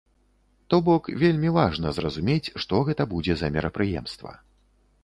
То бок вельмі важна зразумець, што гэта будзе за мерапрыемства.